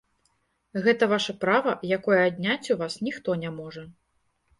Гэта ваша права, якое адняць у вас ніхто не можа.